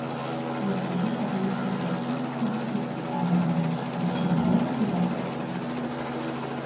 Հերոսների ծառայության ընթացքը հագեցած է հումորային պատմություններով և արկածներով։